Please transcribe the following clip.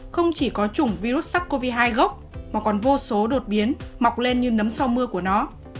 không chỉ có chủng virus sắc covid hai gốc mà còn vô số đột biến mọc lên như nấm so mưa của nó